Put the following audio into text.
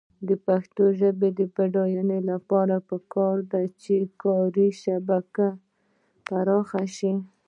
د پښتو ژبې د بډاینې لپاره پکار ده چې کاري شبکه پراخه شي.